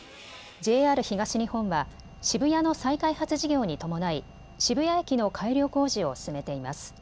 ＪＲ東日本は渋谷の再開発事業に伴い渋谷駅の改良工事を進めています。